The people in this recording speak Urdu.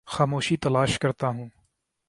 خاموشی تلاش کرتا ہوں